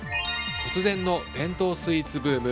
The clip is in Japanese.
突然の伝統スイーツブーム。